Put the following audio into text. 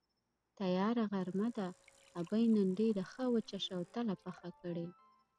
تیاره غرمه ده، ابۍ نن ډېره ښه وچه شوتله پخه کړې.